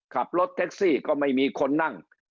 ขับรถแท็กซี่ก็ไม่มีคนนั่ง